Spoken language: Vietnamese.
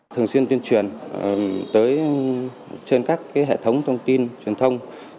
thường xuyên tuyên truyền trên các hệ thống thông tin truyền thông